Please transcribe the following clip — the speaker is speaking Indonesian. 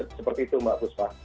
seperti itu mbak busva